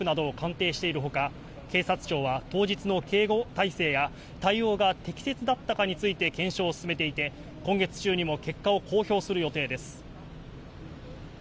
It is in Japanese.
警は犯行に使われた銃の殺傷能力などの鑑定をしているほか、警察庁は当日の警護態勢や対応が適切だったかについて検証を進めていて、今月中にも結果を公表する予定です。